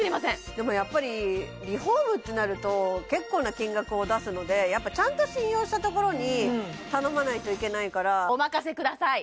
でもやっぱりリフォームってなると結構な金額を出すのでやっぱちゃんと信用したところに頼まないといけないからお任せください